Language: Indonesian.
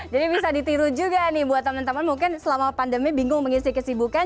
jadi bisa ditiru juga nih buat temen temen mungkin selama pandemi bingung mengisi kesibukan